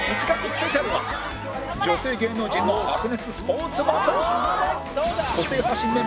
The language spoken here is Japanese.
スペシャルは女性芸能人の白熱スポーツバトル！